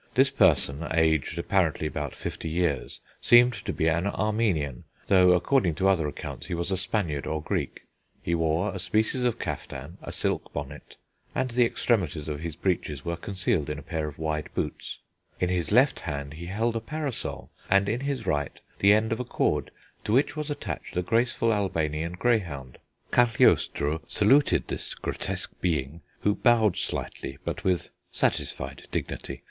This person, aged apparently about fifty years, seemed to be an Armenian, though, according to other accounts, he was a Spaniard or Greek. He wore a species of caftan, a silk bonnet, and the extremities of his breeches were concealed in a pair of wide boots. In his left hand he held a parasol, and in his right the end of a cord, to which was attached a graceful Albanian greyhound.... Cagliostro saluted this grotesque being, who bowed slightly, but with satisfied dignity.